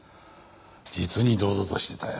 実に堂々としてたよ。